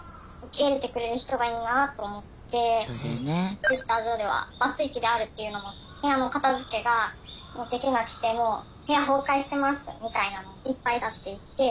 Ｔｗｉｔｔｅｒ上では「バツイチである」っていうのも「部屋の片づけができなくて部屋崩壊してます」みたいなのもいっぱい出していって。